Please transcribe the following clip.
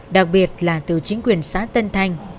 đặc biệt là từ chính quyền xã tân thanh